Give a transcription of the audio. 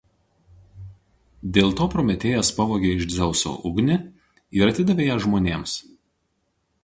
Dėl to Prometėjas pavogė iš Dzeuso ugnį ir atidavė ją žmonėms.